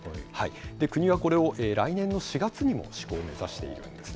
国はこれを、来年の４月にも施行を目指しているんですね。